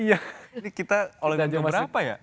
ini kita all england keberapa ya